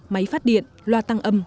máy phát điện loa tăng âm